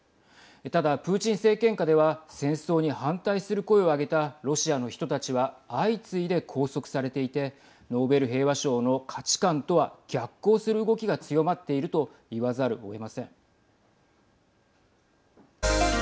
ただ、プーチン政権下では戦争に反対する声を上げたロシアの人たちは相次いで拘束されていてノーベル平和賞の価値観とは逆行する動きが強まっていると言わざるをえません。